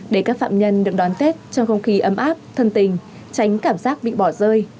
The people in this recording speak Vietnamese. để các phạm nhân được đón tết trong không khí ấm áp thân tình tránh cảm giác bị bỏ rơi